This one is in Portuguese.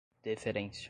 deferência